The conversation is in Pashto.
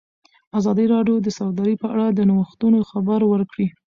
ازادي راډیو د سوداګري په اړه د نوښتونو خبر ورکړی.